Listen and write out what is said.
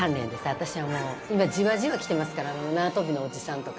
私はもう、今、じわじわきてますから、縄跳びのおじさんとか。